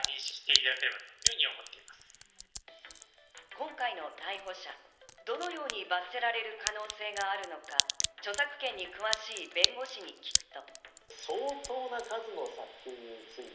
今回の逮捕者、どのように罰せられる可能性があるのか著作権に詳しい弁護士に聞くと。